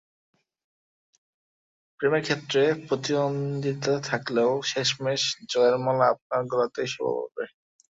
প্রেমের ক্ষেত্রে প্রতিদ্বন্দ্বিতা থাকলেও শেষমেশ জয়ের মালা আপনার গলাতেই শোভা পাবে।